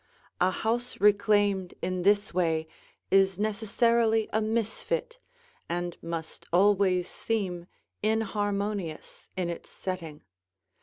A house reclaimed in this way is necessarily a misfit and must always seem inharmonious in its setting.